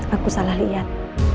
aku salah lihat